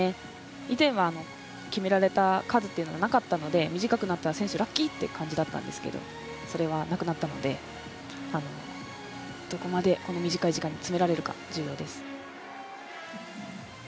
以前は、決められた数というのがなかったので、短くなったら選手はラッキー！って感じだったんですけど、それがなくなったのでどこまで短い時間に詰められるか重要です。